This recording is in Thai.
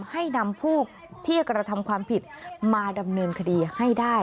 ให้นำผู้ที่กระทำความผิดมาดำเนินคดีให้ได้